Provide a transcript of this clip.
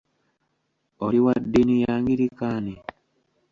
Oli waddiini y'angirikaani?